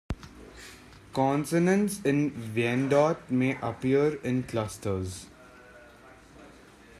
Consonants in Wyandot may appear in clusters.